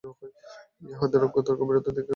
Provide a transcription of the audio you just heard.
ইহাদের অজ্ঞতার গভীরতা দেখিয়া অবাক হইতে হয়।